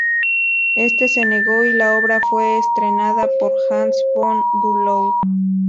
Este se negó, y la obra fue estrenada por Hans von Bülow.